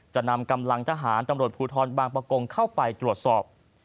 จะนามกำลังทหารจำรวจผู้ท้อนบางปะโกงเข้าไปหัวสอบ